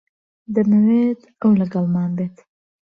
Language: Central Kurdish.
دەمەوێت ئەو لەگەڵمان بێت.